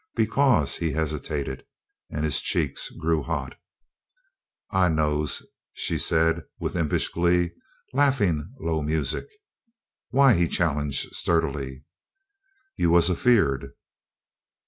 "Because " he hesitated, and his cheeks grew hot. "I knows," she said, with impish glee, laughing low music. "Why?" he challenged, sturdily. "You was a feared."